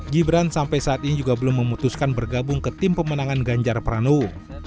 gibran sampai saat ini juga belum memutuskan bergabung ke tim pemenangan ganjar pranowo